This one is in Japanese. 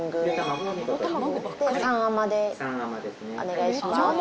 ・お願いします。